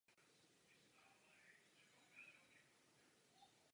Zemřel na rakovinu slinivky.